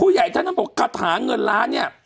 ใหญ่ท่านต้องบอกคาถาเงินล้านเนี่ย